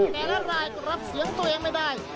แต่ละรายก็รับเสียงตัวเองไม่ได้